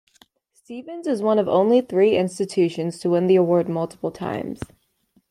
Stevens is one of only three institutions to win the award multiple times.